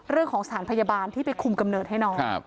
เรื่องของสถานพยาบาลที่ไปคุมกำเนิดให้น้อง